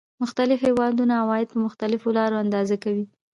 مختلف هېوادونه عواید په مختلفو لارو اندازه کوي